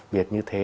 việc như thế